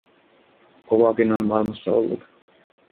Kovaakin on maailmassa ollut.